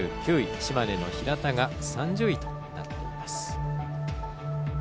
島根の平田が３０位となっています。